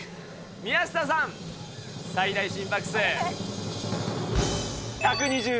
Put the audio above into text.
宮下さん、最大心拍数１２０。